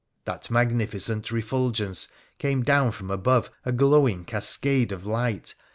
That magnificent refulgence came down from above, a glowing cascade of light.